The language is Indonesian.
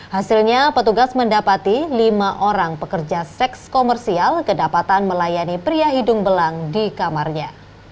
hasilnya petugas mendapati lima orang pekerja seks komersial kedapatan melayani pria hidung belang di kamarnya